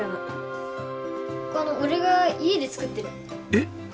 えっ！？